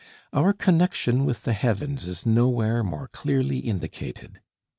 Our connection with the heavens is nowhere more clearly indicated.